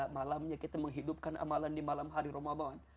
malamnya kita menghidupkan amalan di malam hari ramadan